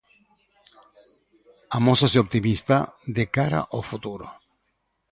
Amósase optimista, de cara ao futuro.